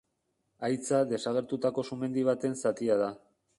Haitza desagertutako sumendi baten zatia da.